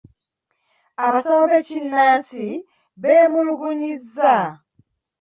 Abasawo ab’ekinnansi beemulugunyizza.